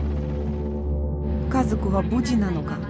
家族は無事なのか。